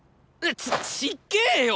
ちちっげよ！